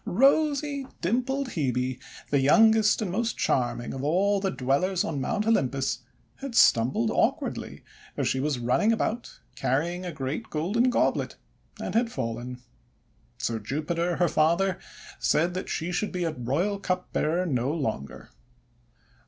rosy, dimpled Hebe, the youngest and most charming of all the Dwellers on Mount Olympus, had stumbled awkwardly as she was running about carrying a great golden goblet, and had fallen. So Jupiter, her father, said that she should be royal cupbearer no longer.